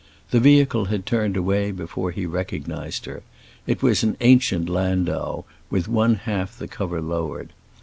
The vehicle had turned away before he recognized her; it was an ancient landau with one half the cover lowered.